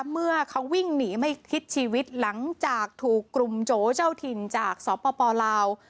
เมื่อเขาวิ่งหนีไม่คิดชีวิตหลังจากถูกกลุ่มโจเจ้าถิ่นจากสปลาว